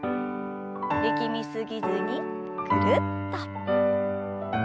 力み過ぎずにぐるっと。